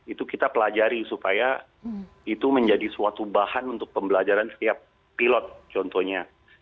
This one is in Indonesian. itu kita pelajari supaya itu menjadi suatu bahan untuk pembelajaran setiap pilot contohnya